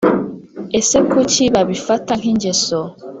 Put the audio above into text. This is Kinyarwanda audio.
. Ese kuki babifata nkingeso?